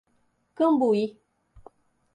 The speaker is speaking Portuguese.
Cambuí